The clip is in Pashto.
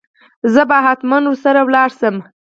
زه به هتمن ور سره ولاړ شم.